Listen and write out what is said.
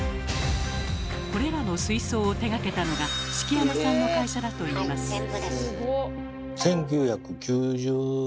これらの水槽を手がけたのが敷山さんの会社だといいます。